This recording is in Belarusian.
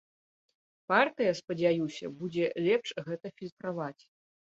Партыя, спадзяюся, будзе лепш гэта фільтраваць.